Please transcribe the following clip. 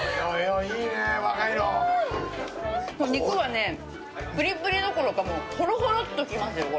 肉がねプリプリどころかもうホロホロっときますよ